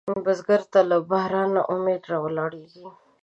بزګر ته له بارانه امید راولاړېږي